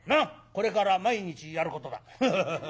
これから毎日やることだハハハハ。